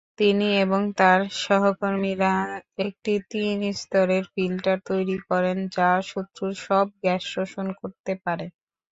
তিনি এবং তার সহকর্মীরা একটি তিন স্তরের ফিল্টার তৈরি করেন যা শত্রুর সব গ্যাস শোষণ করতে পারে।